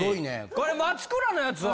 これ松倉のやつは？